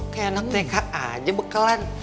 kayak anak tk aja bekean